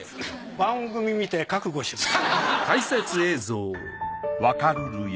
番組観て覚悟しました。